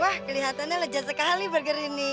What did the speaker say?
wah kelihatannya lezat sekali burger ini